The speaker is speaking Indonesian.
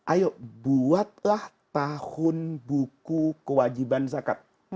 ayo buatlah tahun buku kewajiban zakat